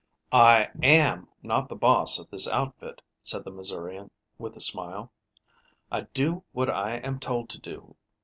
"I AM not the boss of this outfit," said the Missourian, with a smile. "I do what I am told to do.